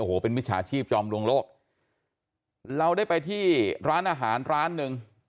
โอ้โหเป็นมิจฉาชีพจอมลวงโลกเราได้ไปที่ร้านอาหารร้านหนึ่ง